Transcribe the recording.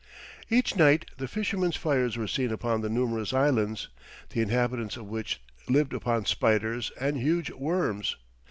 Each night the fishermen's fires were seen upon the numerous islands, the inhabitants of which lived upon spiders and huge worms.